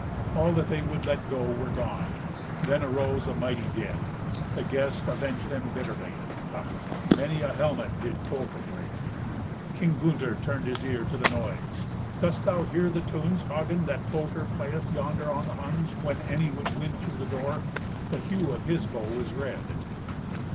All that they would let go were gone. Then arose a mighty din. The guests avenged them bitterly. Ha! many a helmet did Folker break! King Gunther turned his ear to the noise. "Dost thou hear the tunes, Hagen, that Folker playeth yonder on the Huns, when any would win through the door? The hue of his bow is red."